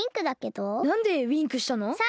なんでウインクしたの？